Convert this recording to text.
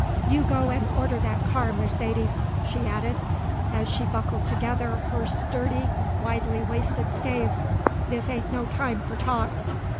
"You go and order that car, Mercedes," she added, as she buckled together her sturdy, widely waisted stays. "This ain't no time for talk."